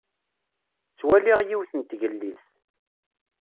Ttwaliɣ yiwet n tgellidt.